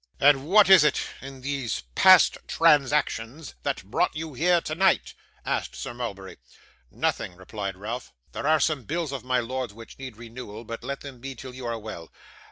'And what is it in these "past transactions," that brought you here tonight?' asked Sir Mulberry. 'Nothing,' replied Ralph. 'There are some bills of my lord's which need renewal; but let them be till you are well.